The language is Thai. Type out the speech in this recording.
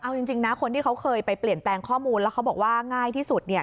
เอาจริงนะคนที่เขาเคยไปเปลี่ยนแปลงข้อมูลแล้วเขาบอกว่าง่ายที่สุดเนี่ย